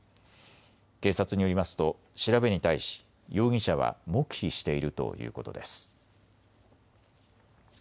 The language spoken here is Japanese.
警察によりますと調べに対し容疑者は黙秘しているということです。